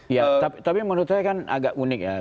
iya tapi menurut saya kan agak unik ya